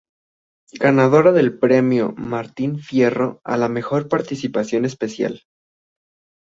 Ganadora del premio Premio Martín Fierro a la Mejor participación especial.